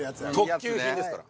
特級品ですから。